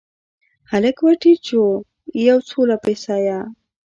هلک ورټیټ شو یو، څو لپې سایه